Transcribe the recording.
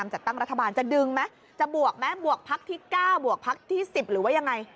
จัดตั้งรัฐบาลจะดึงไหมจะบวกไหมบวกพักที่๙บวกพักที่๑๐หรือว่ายังไง